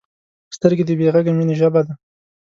سترګې د بې غږه مینې ژبه ده